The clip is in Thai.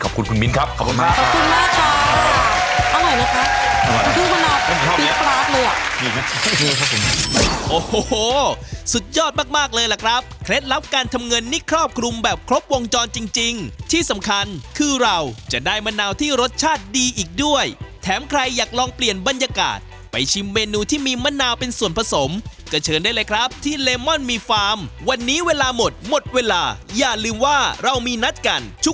ขอบคุณคุณมิ้นครับขอบคุณมาก